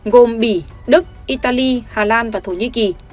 gồm bỉ đức italy hà lan và thổ nhĩ kỳ